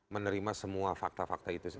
menerima semua fakta fakta itu